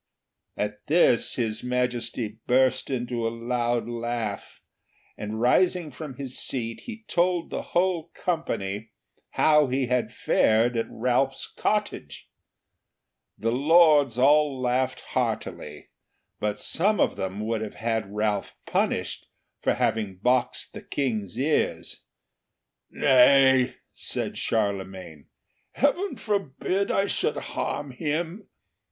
At this His Majesty burst into a loud laugh, and rising from his seat he told the whole company how he had fared at Ralph's cottage. The lords all laughed heartily, but some of them would have had Ralph punished for having boxed the King's ears. "Nay," said Charlemagne, "Heaven forbid I should harm him.